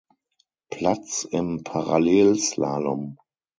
Platz im Parallelslalom.